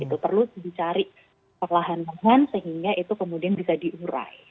itu perlu dicari perlahan lahan sehingga itu kemudian bisa diurai